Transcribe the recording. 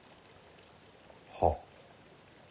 はっ。